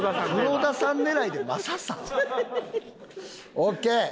オーケー！